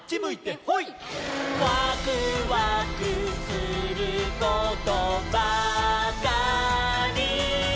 「ワクワクすることばかり」